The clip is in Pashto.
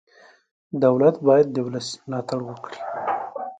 دولت باید د ولس ملاتړ وکړي.